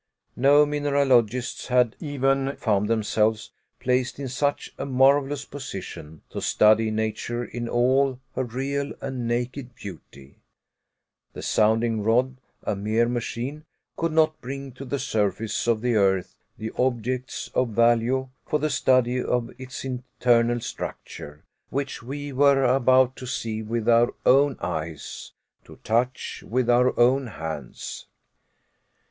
No mineralogists had even found themselves placed in such a marvelous position to study nature in all her real and naked beauty. The sounding rod, a mere machine, could not bring to the surface of the earth the objects of value for the study of its internal structure, which we were about to see with our own eyes, to touch with our own hands.